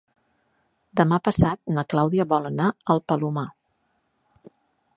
Demà passat na Clàudia vol anar al Palomar.